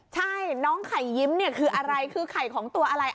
ใช่น้องไข่ยิ้มเนี่ยคืออะไรคือไข่ของตัวอะไร